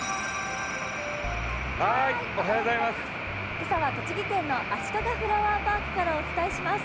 今朝は栃木県のあしかがフラワーパークからお伝えします。